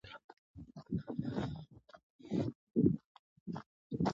خر د سړي بارونه وړل.